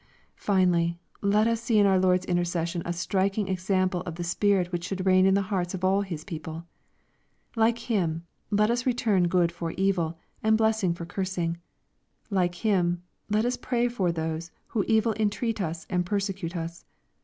Finally, let us see in our Lord's intercession a striking example of the spirit which should reign in the hearts of all His people. Like Him, let us return good for evil, and blessing for cursing. Like Him, let us pray for those who evil entreat us and persecute us.